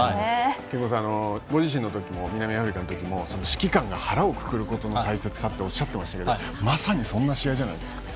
ご自身の時南アフリカの時も指揮官が腹をくくることが大切だとおっしゃっていましたがまさに、そんな試合ですね。